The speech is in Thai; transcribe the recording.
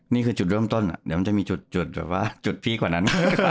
นี่คือจุดเริ่มต้นเดี๋ยวมันจะมีจุดแบบว่าจุดพีคกว่านั้น